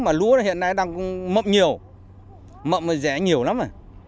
mà lúa hiện nay đang mậm nhiều mậm nó rẻ nhiều lắm rồi